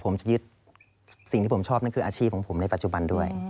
ผมจะยึดสิ่งที่ผมชอบนั่นคืออาชีพของผมในปัจจุบันด้วย